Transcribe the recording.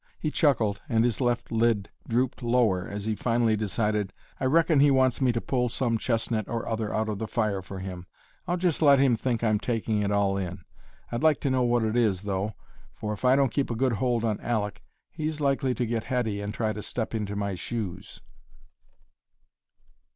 He chuckled and his left lid drooped lower as he finally decided: "I reckon he wants me to pull some chestnut or other out of the fire for him. I'll just let him think I'm taking it all in. I'd like to know what it is, though, for if I don't keep a good hold on Aleck he's likely to get heady and try to step into my shoes."